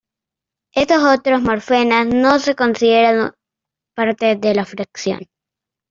Estos otros morfemas no se consideran parte de la flexión.